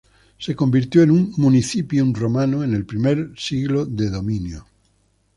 Se convirtió en un "municipium" romano en el primer siglo de dominio.